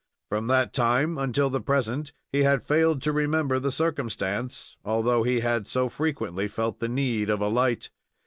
From that time until the present he had failed to remember the circumstance, although he had so frequently felt the need of a light.